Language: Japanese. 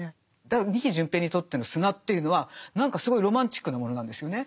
だから仁木順平にとっての砂というのは何かすごいロマンチックなものなんですよね。